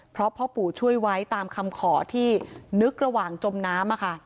เพราะพ่อปู่ช่วยไว้ตามคำขอที่นึกระหว่างจมน้ำ